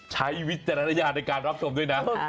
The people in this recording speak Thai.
ใช้วิทยาลัยในการรับสมด้วยนะ